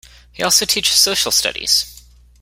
He also teaches social studies.